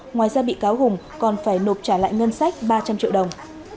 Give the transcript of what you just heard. ngoài ra bị cáo hùng còn phải nộp trả lại ngân sách ba trăm linh triệu đồng